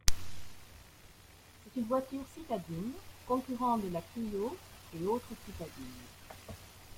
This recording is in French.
C'est une voiture citadine concurrente de la Clio, et autres citadines.